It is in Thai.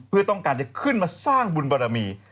เพื่อต้องการจะขึ้นมาสร้างบุญบารมี